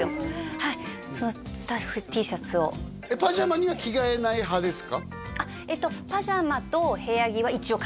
はいそのスタッフＴシャツをえっパジャマには着替えない派ですか？